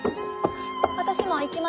私も行きます。